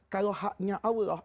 kalau haknya allah